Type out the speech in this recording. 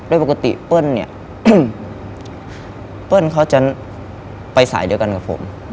โดยปกติเปิ้ลเนี่ยเปิ้ลเขาจะไปสายเดียวกันกับผม